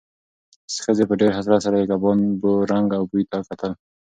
ښځې په ډېر حسرت سره د کبابو رنګ او بوی ته کتل.